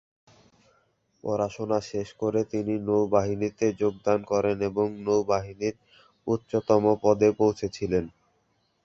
পড়াশোনা শেষ করে তিনি নৌবাহিনীতে যোগদান করেন এবং নৌবাহিনীর উচ্চতম পদে পৌঁছেছিলেন।